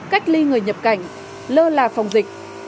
cách ly người nhập cảnh lơ là phòng dịch